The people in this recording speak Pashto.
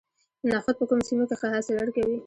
نخود په کومو سیمو کې ښه حاصل ورکوي؟